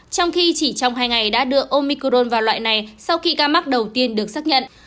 trong khi chỉ trong hai ngày đã đưa omicron vào loại này sau khi ca mắc đầu tiên được xác nhận